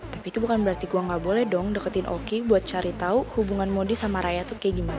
tapi itu bukan berarti gue gak boleh dong deketin oki buat cari tahu hubungan modi sama raya tuh kayak gimana